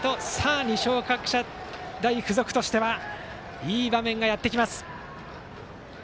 二松学舎大付属としてはいい場面がやってきます。